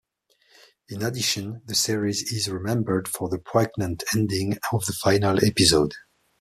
In addition, the series is remembered for the poignant ending of the final episode.